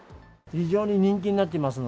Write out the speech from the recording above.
非常に人気になっていますの